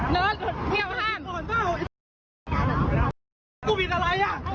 มึงเปิดทุกข่อนเปล่าอี๋